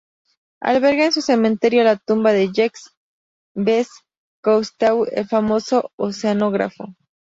Alberga en su cementerio la tumba de Jacques-Yves Cousteau, el famoso oceanógrafo.